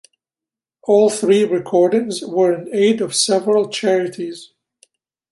All three recordings were in aid of several charities.